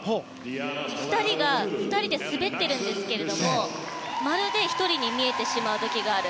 ２人が２人で滑ってるんですけどもまるで１人に見えてしまう時がある。